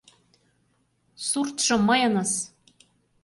Суртшо мыйыныс!